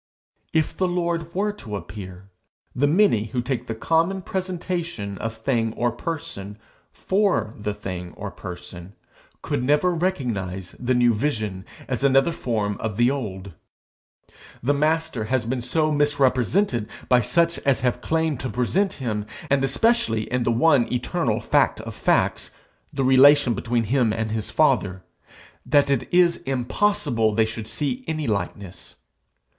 If the Lord were to appear, the many who take the common presentation of thing or person for the thing or person, could never recognize the new vision as another form of the old: the Master has been so misrepresented by such as have claimed to present him, and especially in the one eternal fact of facts the relation between him and his father that it is impossible they should see any likeness.